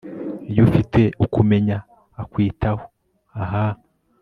iyo ufite ukumenya akakwitaho ah